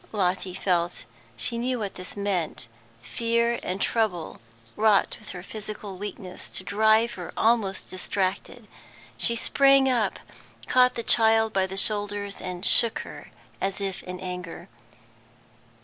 Lotty felt she knew what this meant. Fear and trouble wrought with her physical weakness to drive her almost distracted. She sprang up, caught the child by the shoulders, and shook her as if in anger.